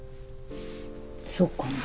そうかも。